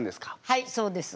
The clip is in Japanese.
はいそうです。